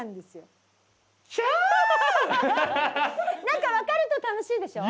なんか分かると楽しいでしょ？